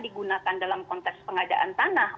digunakan dalam konteks pengadaan tanah